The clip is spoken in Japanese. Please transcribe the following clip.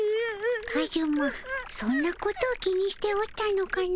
カズマそんなことを気にしておったのかの。